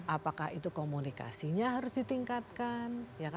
apakah itu komunikasinya harus ditingkatkan